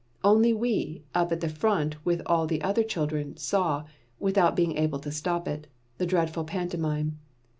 Only we, up at the front with all the other children, saw, without being able to stop it, the dreadful pantomime.